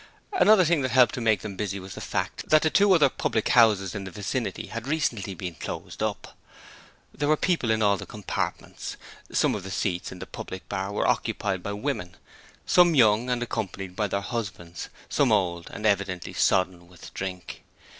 Another thing that helped to make them busy was the fact that two other public houses in the vicinity had recently been closed up. There were people in all the compartments. Some of the seats in the public bar were occupied by women, some young and accompanied by their husbands, some old and evidently sodden with drink.